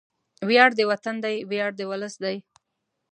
وياړ د وطن دی، ویاړ د ولس دی